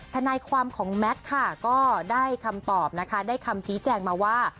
ทนายความของแมทค่ะก็ได้คำตอบนะคะได้คำชี้แจงมาว่า